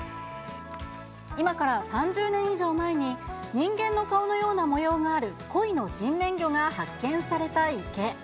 今から３０年以上前に、人間の顔のような模様がある、コイの人面魚が発見された池。